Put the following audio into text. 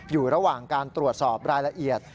อยู่ระหว่างการตรวจสอบรายละเอียด